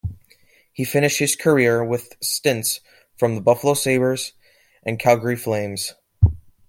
He finished his career with stints for the Buffalo Sabres, and Calgary Flames.